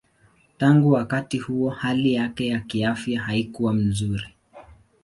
Tangu wakati huo hali yake ya kiafya haikuwa nzuri.